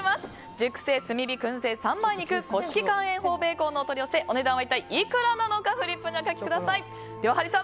熟成炭火燻製三枚肉古式乾塩法ベーコンのお取り寄せお値段は一体いくらなのかフリップにお書きください。